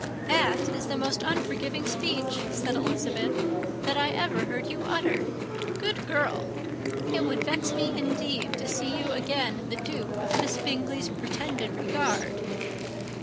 "That is the most unforgiving speech," said Elizabeth, "that I ever heard you utter. Good girl! It would vex me, indeed, to see you again the dupe of Miss Bingley's pretended regard."